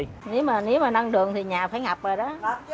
nếu mà nâng đường thì nhà phải ngập rồi đó